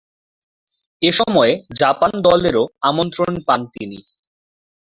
এসময়ে Japan দলেরও আমন্ত্রণ পান তিনি।